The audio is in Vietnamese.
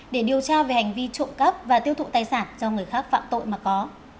để điều tra về hành vi trộm cắp và tiêu thụ tài sản do người khác phạm tội mà có